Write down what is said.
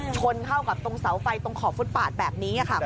ชนเข้ากับตรงเสาไฟตรงขอบฟุตปาดแบบนี้ค่ะ